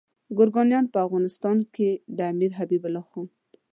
ګریګوریان په افغانستان کې د امیر حبیب الله خان.